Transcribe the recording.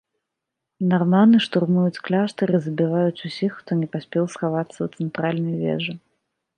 Нарманы штурмуюць кляштар і забіваюць усіх, хто не паспеў схавацца ў цэнтральнай вежы.